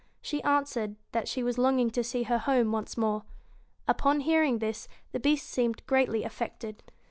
She answered, that she was longing to see her home once more. Upon hearing this, the Beast seemed greatly affected.